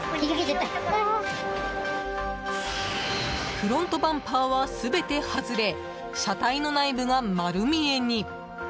フロントバンパーは全て外れ車体の内部が丸見えに。